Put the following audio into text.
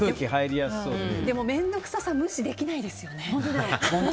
でも面倒臭さは無視できないですよね。